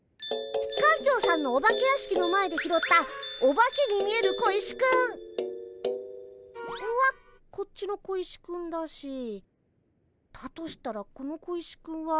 館長さんのお化け屋敷の前で拾ったお化けに見える小石くん！はこっちの小石くんだしだとしたらこの小石くんは。